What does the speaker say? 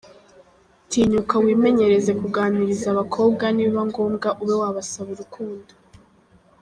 Tinyuka wimenyereze kuganiriza abakobwa nibiba ngombwa ube wasaba urukundo.